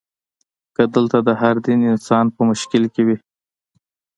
که دلته د هر دین انسان په مشکل کې وي.